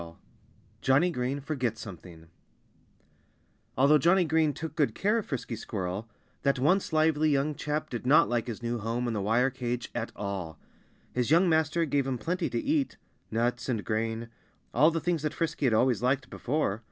XX Johnnie Green Forgets Something Although Johnnie Green took good care of Frisky Squirrel, that once lively young chap did not like his new home in the wire cage at all. His young master gave him plenty to eat nuts and grain all the things that Frisky had always liked before.